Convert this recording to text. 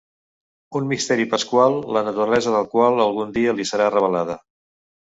Un misteri pasqual la naturalesa del qual algun dia li serà revelada.